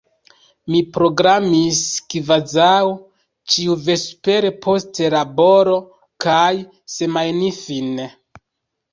Mi programis kvazaŭ ĉiuvespere, post laboro, kaj semajnfine.